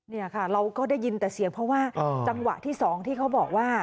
นี่ค่ะเราก็ได้ยินแต่เสียงเพราะว่าจังหวะที่สองที่เขาบอกว่า